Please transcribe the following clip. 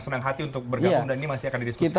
senang hati untuk bergabung dan ini masih akan didiskusikan